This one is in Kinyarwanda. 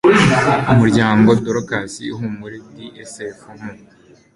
umuryango dorcas ihumure dcf mu